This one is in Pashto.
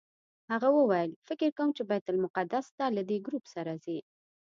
هغه وویل فکر کوم چې بیت المقدس ته له دې ګروپ سره ځئ.